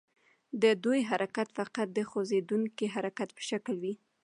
د دوی حرکت فقط د خوځیدونکي حرکت په شکل وي.